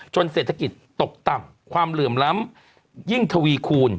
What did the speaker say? เศรษฐกิจตกต่ำความเหลื่อมล้ำยิ่งทวีคูณ